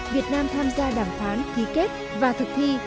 việt nam tham gia đàm phán ký kết và thực thi